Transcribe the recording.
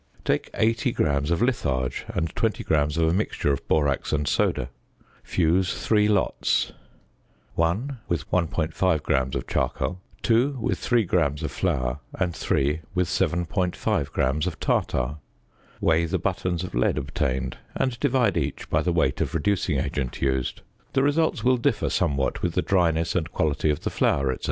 Take 80 grams of litharge and 20 grams of a mixture of borax and soda. Fuse three lots (1) with 1.5 gram of charcoal, (2) with 3 grams of flour, and (3) with 7.5 grams of tartar. Weigh the buttons of lead obtained, and divide each by the weight of reducing agent used. The results will differ somewhat with the dryness and quality of the flour, etc.